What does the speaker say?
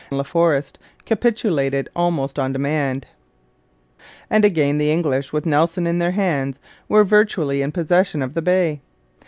La Forest capitulated almost on demand; and, again, the English with Nelson in their hands were virtually in possession of the Bay.